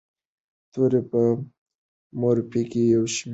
توري په مورفي کې یو شی دي.